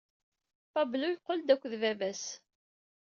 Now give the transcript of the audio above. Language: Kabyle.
Pablo yeqqel-d akked baba-s.